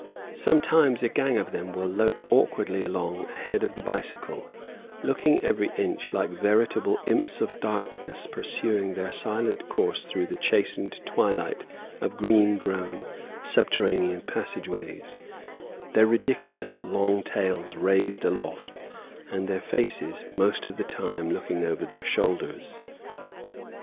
Sometimes a gang of them will lope awkwardly along ahead of the bicycle, looking every inch like veritable imps of darkness pursuing their silent course through the chastened twilight of green grown, subterranean passageways, their ridiculously long tails raised aloft, and their faces most of the time looking over their shoulders.